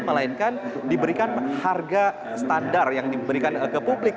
melainkan diberikan harga standar yang diberikan ke publik